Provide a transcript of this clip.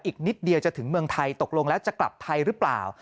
อีกนิดเดียวจะถึงเมืองไทยตกลงแล้วจะกลับไทยหรือเปล่า